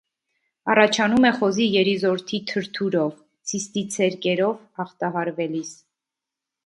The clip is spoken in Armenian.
Առաջանում է խոզի երիզորդի թրթուրով (ցիստիցերկերով) ախտահարվելիս։